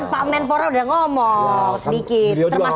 pak menpora udah ngomong sedikit